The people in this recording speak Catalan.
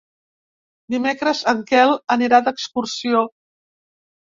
Dimecres en Quel anirà d'excursió.